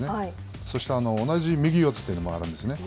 そして、同じ右四つというのもあるんですね。